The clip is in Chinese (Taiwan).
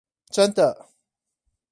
真的！